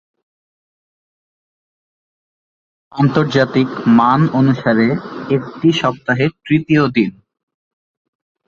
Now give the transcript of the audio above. আন্তর্জাতিক মান অনুসারে একটি সপ্তাহের তৃতীয় দিন।